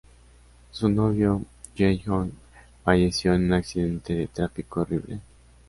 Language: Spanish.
Su novio Jae Hoon falleció en un accidente de tráfico horrible.